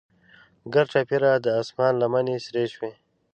ګرچاپیره د اسمان لمنې سرې شوې.